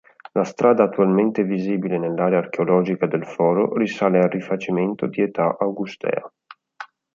La strada attualmente visibile nell'area archeologica del Foro risale al rifacimento di età augustea.